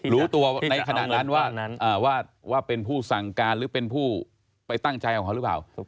รู้ตัวในขณะนั้นว่าเป็นผู้สั่งการหรือเป็นผู้ไปตั้งใจของเขาหรือเปล่า